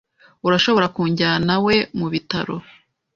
Urashobora kujyanawe mu bitaro?